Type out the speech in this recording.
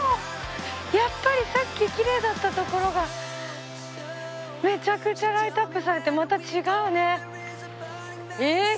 やっぱりさっききれいだった所がめちゃくちゃライトアップされてまた違うね。